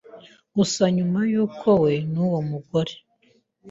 Gusa nyuma y’uko we n’uwo mugore